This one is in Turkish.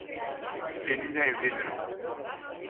Seninle evlenirim.